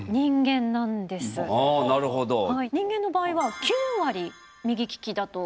人間の場合は９割右利きだと。